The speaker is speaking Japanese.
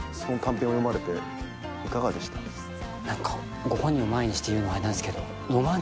何かご本人を前にして言うのあれなんすけど。